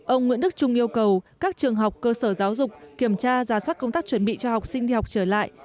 ông nguyễn đức trung yêu cầu các trường học cơ sở giáo dục kiểm tra giả soát công tác chuẩn bị cho học sinh đi học trở lại